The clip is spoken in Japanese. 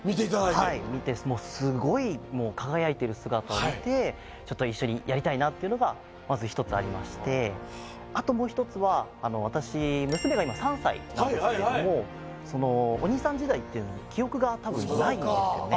はい見てもうすごい輝いている姿を見て一緒にやりたいなっていうのがまず１つありましてあともう１つは私娘が今３歳なんですけれどもお兄さん時代っていう記憶が多分ないんですよね